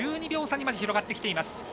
１２秒差にまで広がっています。